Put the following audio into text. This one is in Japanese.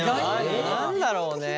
何だろうね。